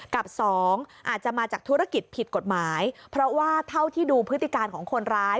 กับสองอาจจะมาจากธุรกิจผิดกฎหมายเพราะว่าเท่าที่ดูพฤติการของคนร้าย